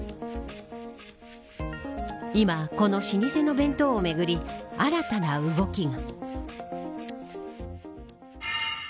今、この老舗の弁当を巡り新たな動きが。